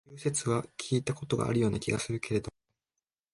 という説は聞いた事があるような気がするけれども、